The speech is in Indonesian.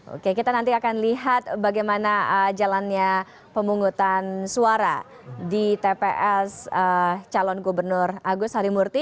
oke kita nanti akan lihat bagaimana jalannya pemungutan suara di tps calon gubernur agus harimurti